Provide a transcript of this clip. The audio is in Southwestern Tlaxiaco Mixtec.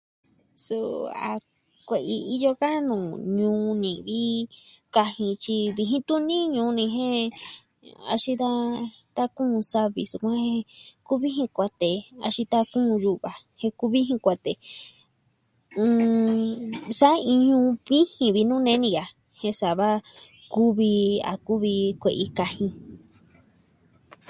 Suu ah... kue'i iyo ka nuu ñuu ni vi kajin tyi vijin tuni ñuu ni jen... axin da ta kuun savi sukuan jen... kuviji kuatee axin tan jinu yuva jen kuvijin kuatee. N... Saa iin ñuu vijin vi nuu nee ni ya'a jen sava kuvi a kuvi kue'i kajin.